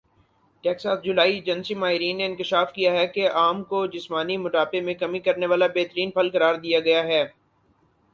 Texas جولائی agency ماہرین نے انکشاف کیا ہے کہ آم کو جسمانی موٹاپے میں کمی کرنے والا بہترین پھل قرار دیا گیا ہے